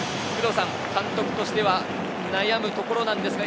監督としては悩むところなんですか？